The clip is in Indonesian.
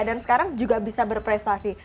dan sekarang juga bisa berprestasi